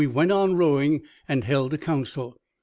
"Went on rowing, and held a council.